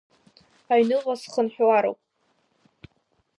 Аҩныҟа схынҳәлароуп.